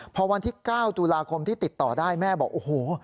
พอวันที่๙ตุลาคมที่ติดต่อได้แม่บอกโอ้โห